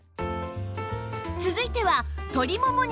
続いては鶏もも肉